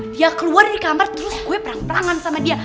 dia keluar dari kamar terus gue perang perangan sama dia